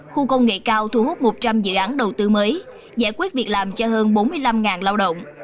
khu công nghệ cao thu hút một trăm linh dự án đầu tư mới giải quyết việc làm cho hơn bốn mươi năm lao động